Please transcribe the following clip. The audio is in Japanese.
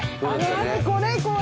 これこれ。